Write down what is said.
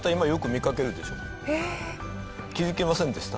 気づきませんでした？